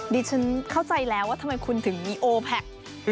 ดิฉันเข้าใจแล้วว่าทำไมคุณถึงมีโอแพค